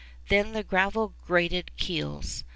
Then the gravel grated keels.